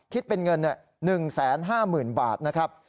คิดเป็นเงิน๑๕๐๐๐บาทนะครับ